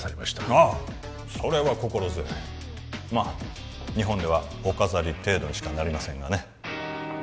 ああそれは心強いまあ日本ではおかざり程度にしかなりませんがね